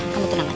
kamu tenang saja